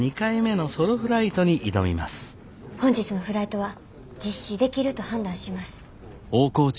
本日のフライトは実施できると判断します。